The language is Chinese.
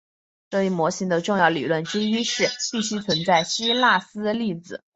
这一模型的重要结论之一是必须存在希格斯粒子。